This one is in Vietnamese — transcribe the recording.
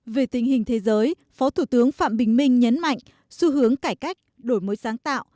về tình hình thế giới phó thủ tướng phạm bình minh nhấn mạnh xu hướng cải cách đổi mới sáng tạo